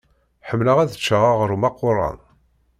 Ḥemmleɣ ad ččeɣ aɣṛum aqquṛan.